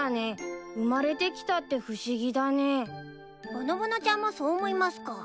ぼのぼのちゃんもそう思いますか。